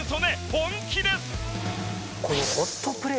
本気です！